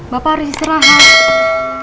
bapak harus istirahat